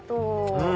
うん。